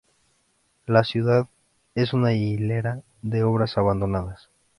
La ciudad es una hilera de obras abandonadas.